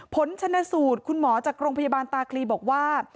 ผลชนสูตรคุณหมอจากโรงพยาบาลตาคลีบอกว่า